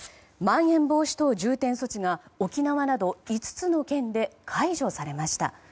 まん延防止等重点措置が沖縄など５つの県で解除されました。